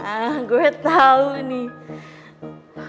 ah gue tau nih